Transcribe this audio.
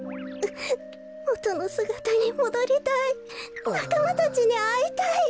もとのすがたにもどりたいなかまたちにあいたい。